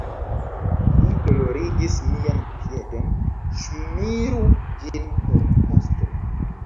Mi dolorigis mian piedon, ŝmiru ĝin per pasto.